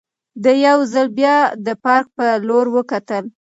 ده یو ځل بیا د پارک په لور وکتل.